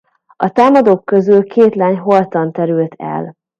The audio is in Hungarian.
A támadók közül két lány holtan terül el.